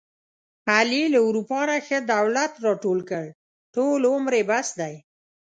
علي له اروپا نه ښه دولت راټول کړ، ټول عمر یې بس دی.